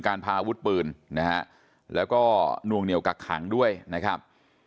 พาอาวุธปืนนะฮะแล้วก็นวงเหนียวกักขังด้วยนะครับ